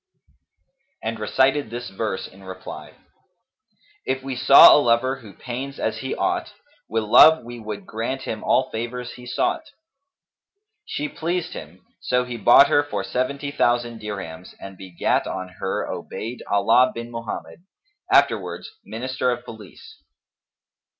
and recited this verse in reply, "If we saw a lover who pains as he ought, * Wi' love we would grant him all favours he sought." She pleased him: so he bought her for seventy thousand dirhams and begat on her Obayd' Allah bin Mohammed, afterwards minister of Police.